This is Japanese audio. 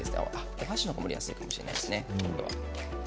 お箸の方が盛りやすいかもしれないですね。